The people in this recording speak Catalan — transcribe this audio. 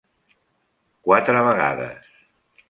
Quatre vegades.